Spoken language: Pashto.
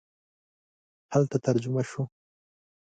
هلته ترجمه شو.